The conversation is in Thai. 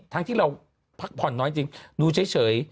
ที่เราพักผ่อนน้อยจริงดูเฉย